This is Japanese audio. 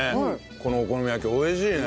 このお好み焼き美味しいね。